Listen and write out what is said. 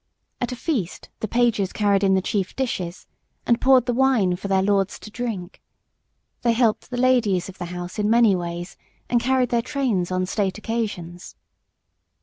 At a feast the pages carried in the chief dishes and poured the wine for their lords to drink. They helped the ladies of the house in many ways, and carried their trains on state occasions.